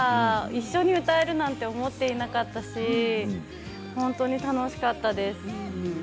一緒に歌えるなんて思っていなかったし本当に楽しかったです。